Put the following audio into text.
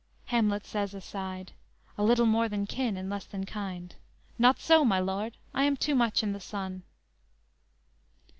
"_ Hamlet says (aside): _"A little more than kin and less than kind. Not so, my lord; I am too much in the sun."